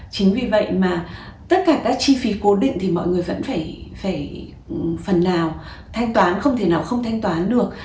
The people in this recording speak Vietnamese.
chính vì vậy mà tất cả các chi phí cố định thì mọi người vẫn phải phần nào thanh toán không thể nào không thanh toán được